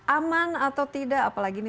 aman atau tidak apalagi ini